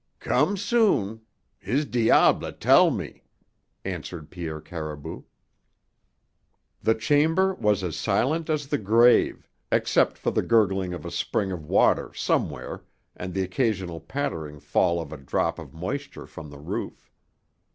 "Come soon. His diable tell me," answered Pierre Caribou. The chamber was as silent as the grave, except for the gurgling of a spring of water somewhere and the occasional pattering fall of a drop of moisture from the roof.